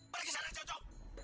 pergi sana joko